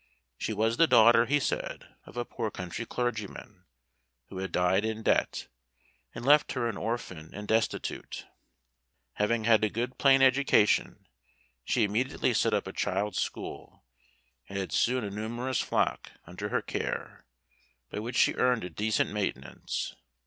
She was the daughter, he said, of a poor country clergyman, who had died in debt, and left her an orphan and destitute. Having had a good plain education, she immediately set up a child's school, and had soon a numerous flock under her care, by which she earned a decent maintenance.